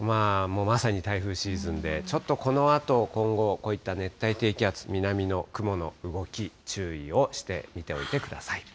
まさに台風シーズンで、ちょっとこのあと、今後、こういった熱帯低気圧、南の雲の動き、注意をしておいてください。